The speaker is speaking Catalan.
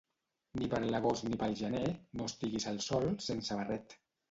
Ni per l'agost ni pel gener no estiguis al sol sense barret.